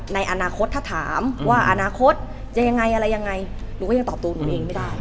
ในอนาคตถ้าถามว่าอนาคตจะยังไงอะไรยังไงหนูก็ยังตอบตัวหนูเองไม่ได้